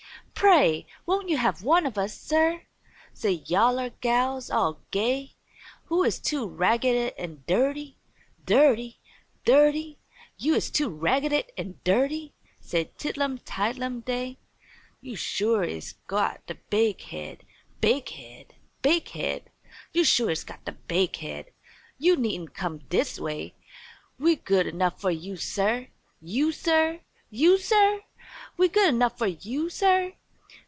Pray! Won't you have one o' us, Sir?" say yaller gals all gay. "You is too ragged an' dirty! Dirty! Dirty! You is too ragged an' dirty!" said Tidlum Tidelum Day. "You shore is got de bighead! Bighead! Bighead! You shore is got de bighead! You needn' come dis way. We's good enough fer you, Sir! You, Sir! You, Sir! We's good enough fer you, Sir!"